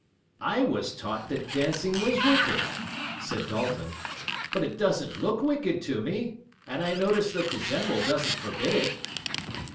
"I was taught that dancing was wicked," said Dalton, "but it doesn't look wicked to me, and I notice that the general doesn't forbid it."